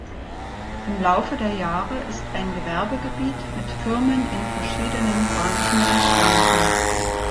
Im Laufe der Jahre ist ein Gewerbegebiet mit Firmen in verschiedenen Branchen entstanden.